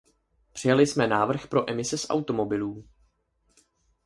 Přijali jsme návrh pro emise z automobilů.